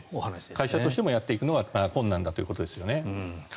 会社としてもやっていくのが困難だということですね。